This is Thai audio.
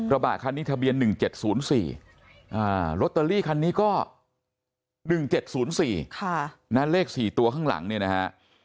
บะคันนี้ทะเบียน๑๗๐๔ลอตเตอรี่คันนี้ก็๑๗๐๔เลข๔ตัวข้างหลังเนี่ยนะฮะ